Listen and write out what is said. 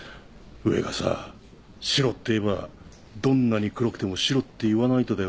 上がさ白って言えばどんなに黒くても白って言わないとだよね。